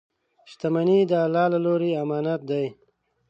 • شتمني د الله له لورې امانت دی.